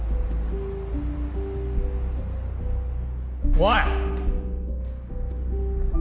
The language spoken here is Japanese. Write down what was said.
おい！